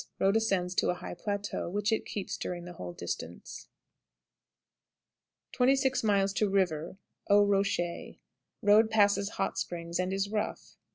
Road ascends to a high plateau, which it keeps during the whole distance. 26. River "Aux Rochers." Road passes Hot Springs, and is rough.